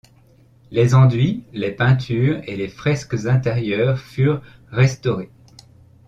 Les enduits, les peintures et fresques intérieurs furent restaurés.